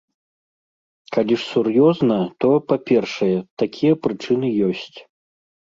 Калі ж сур'ёзна, то, па-першае, такія прычыны ёсць.